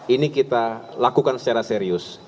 ini kita lakukan secara serius